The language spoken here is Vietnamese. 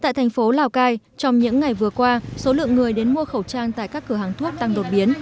tại thành phố lào cai trong những ngày vừa qua số lượng người đến mua khẩu trang tại các cửa hàng thuốc tăng đột biến